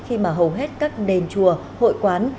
khi mà hầu hết các đền chùa hội quán